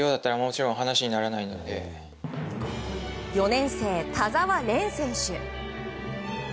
４年生、田澤廉選手。